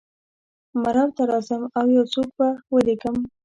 مرو ته راځم او یو څوک به ولېږم.